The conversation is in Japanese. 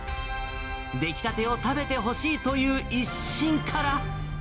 出来たてを食べてほしいという一心から。